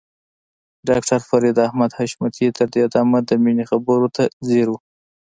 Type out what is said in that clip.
ډاکټر فريد احمد حشمتي تر دې دمه د مينې خبرو ته ځير و.